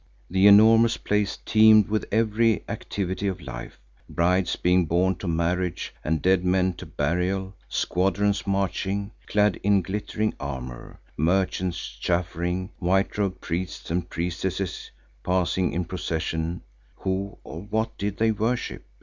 The enormous place teemed with every activity of life; brides being borne to marriage and dead men to burial; squadrons marching, clad in glittering armour; merchants chaffering; white robed priests and priestesses passing in procession (who or what did they worship?